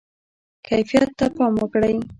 کیفیت ته پام وکړئ